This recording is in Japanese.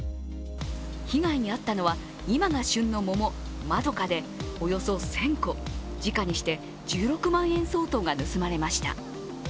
被害に遭ったのは今が旬の桃、まどかでおよそ１０００個、時価にして１６万円相当が盗まれました。